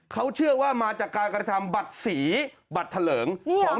เขาเชื่อว่ามาจากการกระทำบัตรสีบัตรเถลิงของ